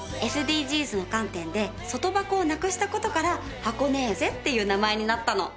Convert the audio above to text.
ＳＤＧｓの観点で外箱をなくした事からハコネーゼっていう名前になったの。